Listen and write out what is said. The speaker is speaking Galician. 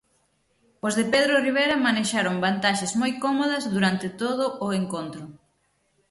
Os de Pedro Ribera manexaron vantaxes moi cómodas durante todo o encontro.